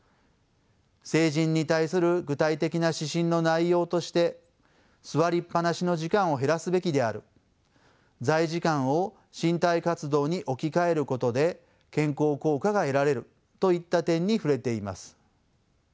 成人に対する具体的な指針の内容として座りっぱなしの時間を減らすべきである座位時間を身体活動に置き換えることで健康効果が得られるといった点に触れています。